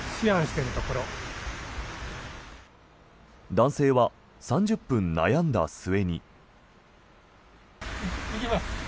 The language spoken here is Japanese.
男性は３０分悩んだ末に。